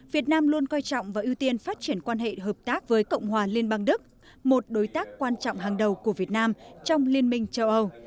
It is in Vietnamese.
việt nam luôn coi trọng và ưu tiên phát triển quan hệ hợp tác với cộng hòa liên bang đức một đối tác quan trọng hàng đầu của việt nam trong liên minh châu âu